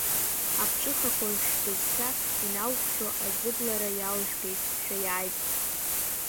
Аԥҽыхақәа шәбызшәа иналҟәшәо, аӡыблара иалжәгеит, шәаиааит.